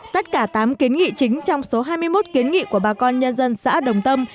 tất cả tám kiến nghị chính trong số hai mươi một kiến nghị của bà con nhân dân xã đồng tâm